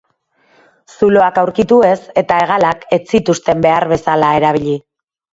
Zuloak aurkitu ez eta hegalak ez zituzten behar bezala erabili.